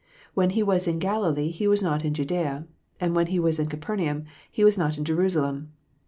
When He was in Galilee He was not in Judaea, and when He was in Capernaum He was not in Jerusalem.